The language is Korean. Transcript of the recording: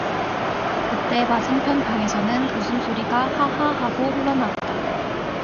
그때 맞은편 방에서는 웃음소리가 하하 하고 흘러나왔다.